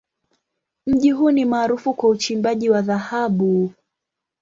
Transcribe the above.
Mji huu ni maarufu kwa uchimbaji wa dhahabu.